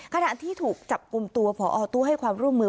ขณะที่ถูกจับกลุ่มตัวพอตู้ให้ความร่วมมือ